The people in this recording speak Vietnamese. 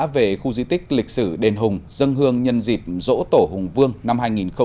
về khu di tích lịch sử đền hùng dân hương nhân dịp dỗ tổ hùng vương năm hai nghìn hai mươi bốn